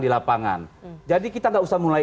di lapangan jadi kita nggak usah mulai